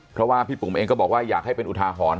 เพราะว่าพี่ปุ๋มเองก็บอกว่าอยากให้เป็นอุทาหรณ์